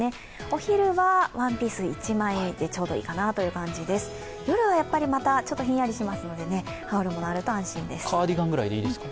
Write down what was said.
お昼はワンピース１枚でちょうどいいかなという感じですが、夜はやっぱりまた、ちょっとひんやりしますのでカーディガンぐらいでいいですか？